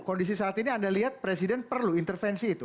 kondisi saat ini anda lihat presiden perlu intervensi itu